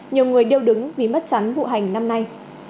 nhiều người đều đứng vì mất chắn vụ hành năm nay